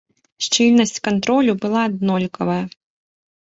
Шчыльнасць кантролю была аднолькавая.